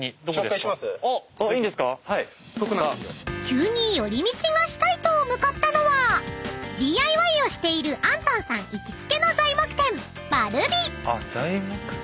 ［急に寄り道がしたいと向かったのはＤＩＹをしているアントンさん行きつけの材木店］